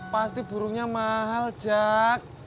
pasti burungnya mahal jack